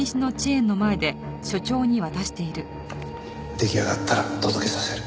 出来上がったら届けさせる。